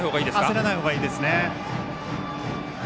焦らない方がいいですね。